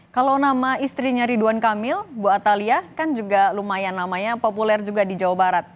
kalau nama istrinya ridwan kamil bu atalia kan juga lumayan namanya populer juga di jawa barat